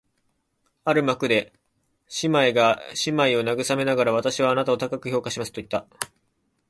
ある幕で姉娘が妹娘を慰めながら、「私はあなたを高く評価します」と言った